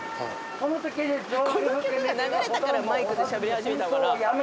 この曲が流れたからマイクでしゃべり始めたのかな。